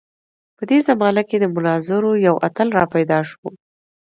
په دې زمانه کې د مناظرو یو اتل راپیدا شو.